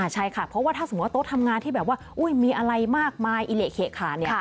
ใช่ค่ะเพราะว่าถ้าสมมุติโต๊ะทำงานที่แบบว่ามีอะไรมากมายอิเหละเขขาเนี่ย